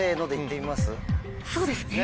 そうですね。